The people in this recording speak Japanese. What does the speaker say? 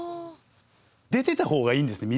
出てた方がいいんですね